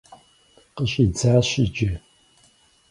Къыщӏидзащ иджы!